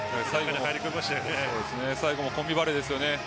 最後もコンビバレーですよね。